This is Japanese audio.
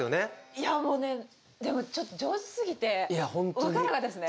いやもうねでもちょっと上手すぎてわかんなかったですね